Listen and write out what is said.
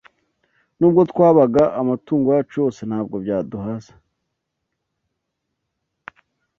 N’ubwo twabāga amatungo yacu yose ntabwo byaduhāza,